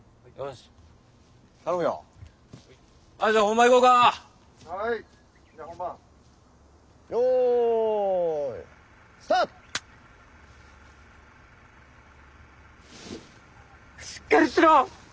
しっかりしろ！